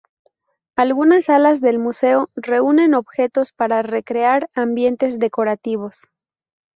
Algunas salas del museo reúnen objetos para recrear ambientes decorativos.